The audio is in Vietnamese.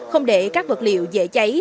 không để các vật liệu dễ cháy